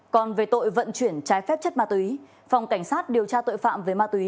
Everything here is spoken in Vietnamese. còn về tội vận chuyển trái phép chất ma túy phòng cảnh sát điều tra tội phạm về ma túy